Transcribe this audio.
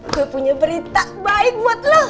gue punya berita baik buat lo